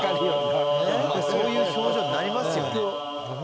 そういう表情になりますよね。